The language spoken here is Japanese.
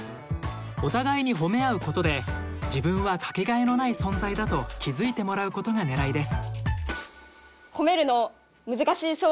お互いにほめ合うことで自分はかけがえのない存在だと気づいてもらうことがねらいです。